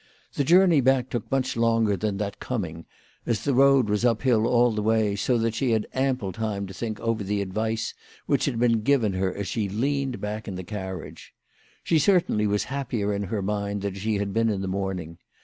The journey back took much longer than that coming, as> the road was up hill all the way, so that she had ample time to think over the advice which had been given her as she leaned back in the carriage. She certainly was happier in her mind than she had been in the morning.